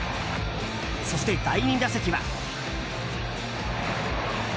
そして、第２打席は。